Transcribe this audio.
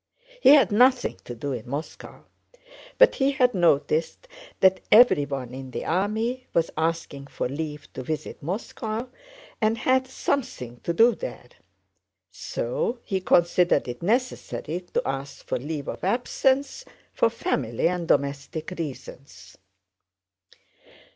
He had nothing to do in Moscow, but he had noticed that everyone in the army was asking for leave to visit Moscow and had something to do there. So he considered it necessary to ask for leave of absence for family and domestic reasons.